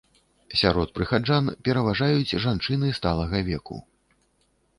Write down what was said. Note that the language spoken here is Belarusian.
Сярод прыхаджан пераважаюць жанчыны сталага веку.